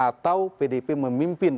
atau pdip memimpin